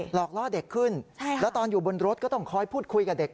หลอกล่อเด็กขึ้นแล้วตอนอยู่บนรถก็ต้องคอยพูดคุยกับเด็ก